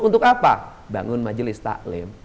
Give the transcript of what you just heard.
untuk apa bangun majelis taklim